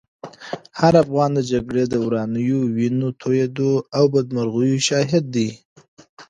هر افغان د جګړې د ورانیو، وینو تویېدو او بدمرغیو شاهد دی.